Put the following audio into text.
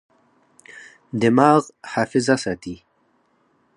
دماغ حافظه ساتي.